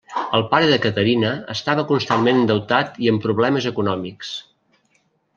El pare de Caterina estava constantment endeutat i amb problemes econòmics.